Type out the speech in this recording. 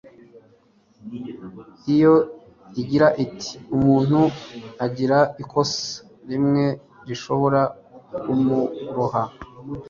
iyo igira iti umuntu agira ikosa rimwe rishobora kumuroha